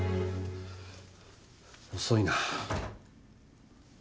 遅いな。